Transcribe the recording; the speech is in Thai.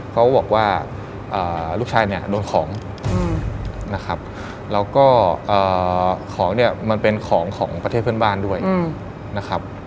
เขาบอกว่าลูกชายเนี่ยโดนของนะครับแล้วก็ของเนี่ยมันเป็นของของประเทศเพื่อนบ้านด้วยนะครับ